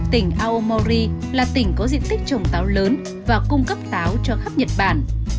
tỉnh aomori là tỉnh có diện tích trồng táo lớn và cung cấp táo cho khắp nhật bản